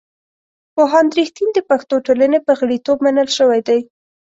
پوهاند رښتین د پښتو ټولنې په غړیتوب منل شوی دی.